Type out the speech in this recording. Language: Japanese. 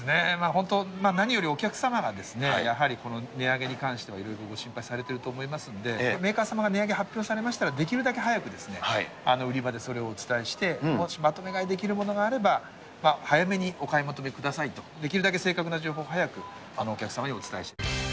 本当、何よりお客様がやはり値上げに関してはいろいろご心配されていると思いますので、メーカー様が値上げ発表されましたら、できるだけ早く売り場でそれをお伝えして、もしまとめ買いできるものがあれば、早めにお買い求めくださいと、できるだけ正確な情報を早くお客様にお伝えしています。